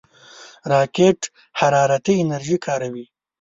راکټ حرارتي انرژي کاروي